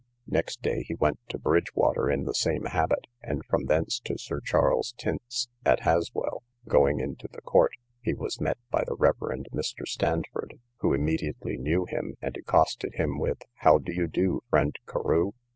Next day he went to Bridgewater in the same habit, and from thence to Sir Charles Tynte's, at Haswell: going into the court, he was met by the Rev. Mr. Standford, who immediately knew him, and accosted him with, How do you do, friend Carew!